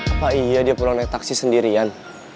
apa iya dia perlu naik taksi sendirian